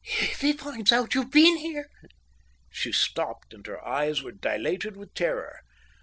If he finds out you've been here—" She stopped, and her eyes were dilated with terror.